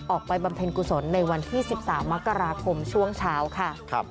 บำเพ็ญกุศลในวันที่๑๓มกราคมช่วงเช้าค่ะ